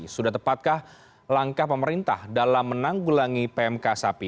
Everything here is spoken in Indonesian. sudah tepatkah langkah pemerintah dalam menanggulangi pmk sapi